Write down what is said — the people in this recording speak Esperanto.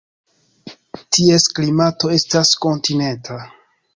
Ties klimato estas kontinenta.